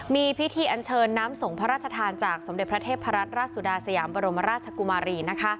มีพิธีอันเชิงนำสงภรรัชธานจากสมเดชน์พระเจพย์พระรัสราซุดาศรรยามบรมราชกุมารี